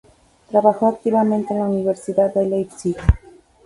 Trabajó activamente en la Universidad de Leipzig.